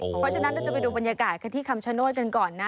เพราะฉะนั้นเราจะไปดูบรรยากาศกันที่คำชโนธกันก่อนนะ